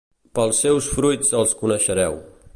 Pels seus fruits els coneixereu.